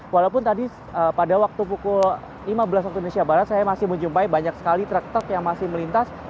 walaupun tadi pada waktu pukul lima belas waktu indonesia barat saya masih menjumpai banyak sekali truk truk yang masih melintas